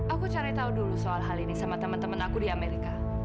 aku cari tahu dulu soal hal ini sama teman teman aku di amerika